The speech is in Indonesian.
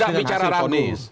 tidak bicara ragu